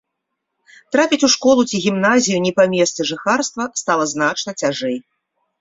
Трапіць у школу ці гімназію не па месцы жыхарства стала значна цяжэй.